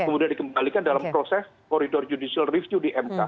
kemudian dikembalikan dalam proses koridor judicial review di mk